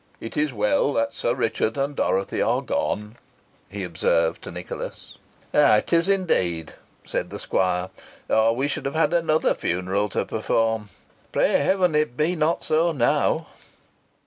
It is well that Sir Richard and Dorothy are gone," he observed to Nicholas. "It is indeed," said the squire, "or we should have had another funeral to perform. Pray Heaven it be not so now!"